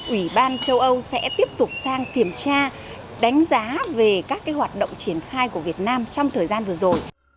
ủy ban châu âu sẽ tiếp tục sang kiểm tra đánh giá về các hoạt động triển khai của việt nam trong thời gian vừa rồi